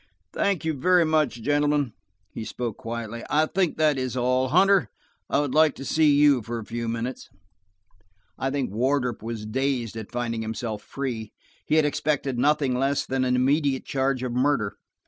"Thank you very much, gentlemen," he spoke quietly. "I think that is all. Hunter, I would like to see you for a few minutes." I think Wardrop was dazed at finding himself free; he had expected nothing less than an immediate charge of murder.